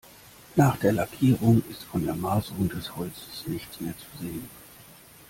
Nach der Lackierung ist von der Maserung des Holzes nichts mehr zu sehen.